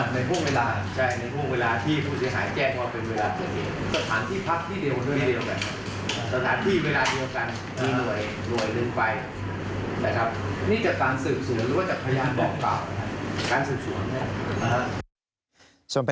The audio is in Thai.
ในพวกเวลาที่ผู้จะต้องถูกแอบว่าเป็นเวลาจะเป็น